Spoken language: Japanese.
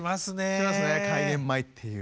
しますね開演前っていう。